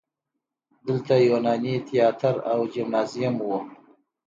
دلته یوناني تیاتر او جیمنازیوم و